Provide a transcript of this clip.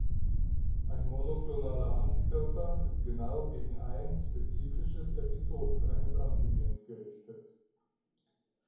Ein monoklonaler Antikörper ist gegen "genau ein" spezifisches Epitop eines Antigens gerichtet.